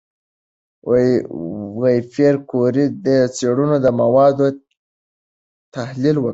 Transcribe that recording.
پېیر کوري د څېړنو د موادو تحلیل وکړ.